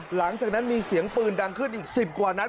หลังจากนั้นมีเสียงปืนดังขึ้นอีก๑๐กว่านัด